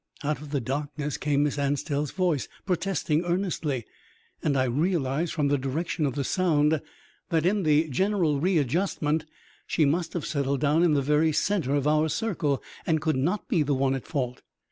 Out of the darkness came Miss Anstell's voice, protesting earnestly, and I realized from the direction of the sound that in the general readjustment she must have settled down in the very center of our circle, and could not be the one at fault.